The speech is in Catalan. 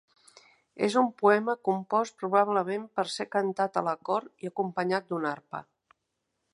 És un poema compost probablement per ser cantat a la cort i acompanyat d'una arpa.